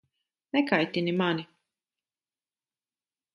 Nekaitini mani!